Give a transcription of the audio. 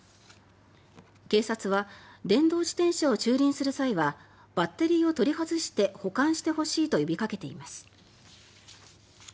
警察は電動自転車を駐輪する際はバッテリーを取り外して保管してほしいと呼びかけています。